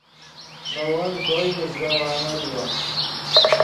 نے ون کوئے میژگوانو لیو